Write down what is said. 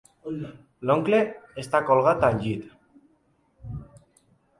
L'oncle està colgat al llit.